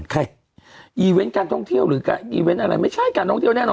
ใครอีเวนต์การท่องเที่ยวหรือการอีเวนต์อะไรไม่ใช่การท่องเที่ยวแน่นอน